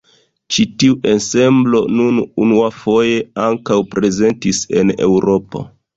Ĉi tiu ensemblo nun unuafoje ankaŭ prezentis en Eŭropo.